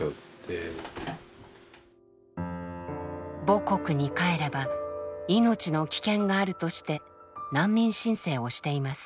母国に帰れば命の危険があるとして難民申請をしています。